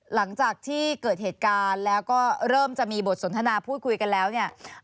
หลังจากที่เกิดเหตุการณ์แล้วก็เริ่มจะมีบทสนทนาพูดคุยกันแล้วเนี่ย